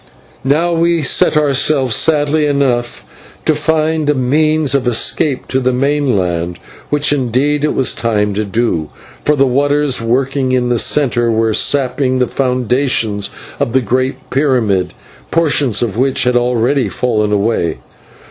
Now we set ourselves sadly enough to find a means of escape to the mainland, which indeed it was time to do, for the waters, working in its centre, were sapping the foundations of the great pyramid, portions of which had already fallen away.